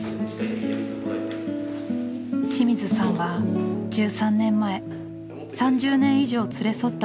清水さんは１３年前３０年以上連れ添った夫を亡くしました。